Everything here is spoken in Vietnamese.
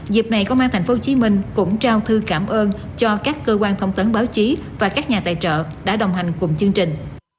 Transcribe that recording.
dịp này công an tp hcm cũng trao thư cảm ơn cho các cơ quan thông tấn báo chí và các nhà tài trợ đã đồng hành cùng chương trình